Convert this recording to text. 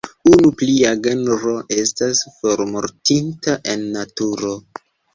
Unu plia genro estas formortinta en naturo.